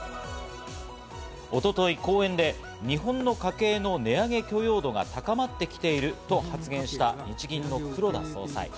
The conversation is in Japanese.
一昨日、講演で日本の家計の値上げ許容度が高まってきていると発言した日銀の黒田総裁。